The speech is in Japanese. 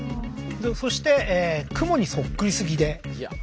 そしてクモにそっくりすぎで。